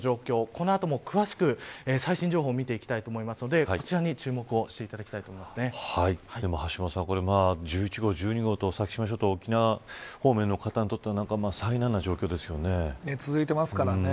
この後も詳しく最新情報を見ていきたいと思いますのでこちらに注目していただきたい橋下さん１１号、１２号と先島諸島沖縄方面の方にとっては続いてますからね。